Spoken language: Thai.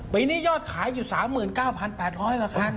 ปีนี้ยอดขายอยู่๓๙๘๐๐กว่าคัน